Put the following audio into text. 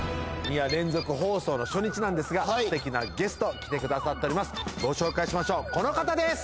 ２夜連続放送の初日なんですがすてきなゲスト来てくださっておりますご紹介しましょうこの方です！